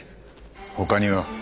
他には？